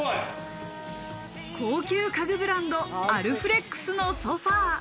高級家具ブランド、アルフレックスのソファ。